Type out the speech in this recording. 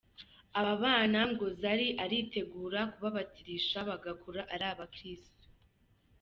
Aba bana ngo Zari aritegura kubabatirisha bagakura ari abakirisitu.